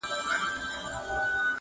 • ستا د غواوو دي تېره تېره ښکرونه -